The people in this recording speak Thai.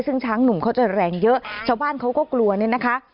ซึ่งช้างหนุ่มเขาจะแรงเยอะชาวบ้านเขาก็กลัวเนี่ยนะคะ